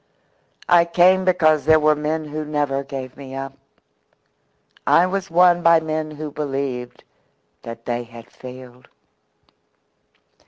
I came because there were men who never gave me up. I was won by men who believed that they had failed."